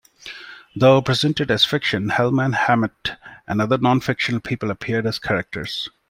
Though presented as fiction, Hellman, Hammett, and other nonfictional people appeared as characters.